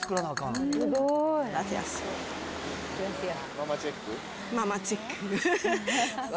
ママチェック。